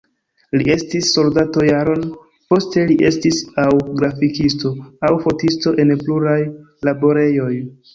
Li estis soldato jaron, poste li estis aŭ grafikisto, aŭ fotisto en pluraj laborejoj.